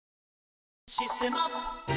「システマ」